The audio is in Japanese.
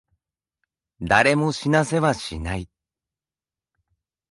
誰も死なせはしない。